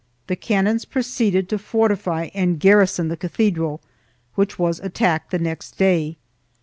The canons proceeded to fortify and garrison the cathedral, which was attacked the next day.